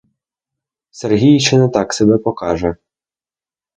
Сергій ще не так себе покаже.